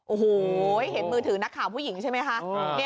โอ้โหเห็นมือถือนักข่าวผู้หญิงใช่ไหมคะ